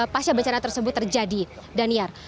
pasca bencana tersebut terjadi dan iar